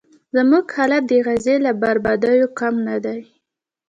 زموږ حالت د غزې له بربادیو کم نه دی.